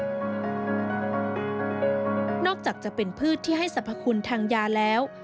นอกจากจะเป็นพืชที่ให้สรรพคุณทางยาแล้ว